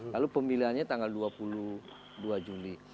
lalu pemilihannya tanggal dua puluh dua juli